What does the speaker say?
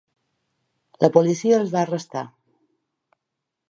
La policia els va arrestar.